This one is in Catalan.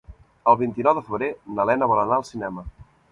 El vint-i-nou de febrer na Lena vol anar al cinema.